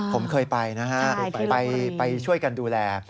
ผมเคยไปนะฮะไปช่วยกันดูแล